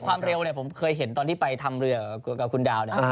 ความเร็วเนี่ยผมเคยเห็นตอนที่ไปทำเรือกับคุณดาวเนี่ย